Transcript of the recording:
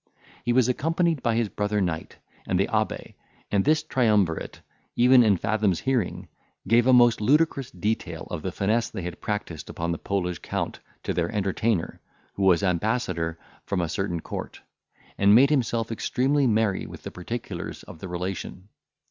He was accompanied by his brother knight and the abbe; and this triumvirate, even in Fathom's hearing, gave a most ludicrous detail of the finesse they had practised upon the Polish Count, to their entertainer, who was ambassador from a certain court, and made himself extremely merry with the particulars of the relation.